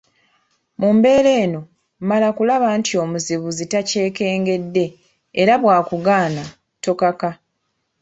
Mu mbeera eno; mala kulaba nti omuzibuzi takyekengedde, era bw’akugaana tokaka